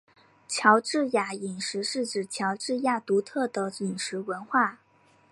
乔治亚饮食是指乔治亚独特的饮食文化。